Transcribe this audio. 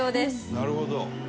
なるほど。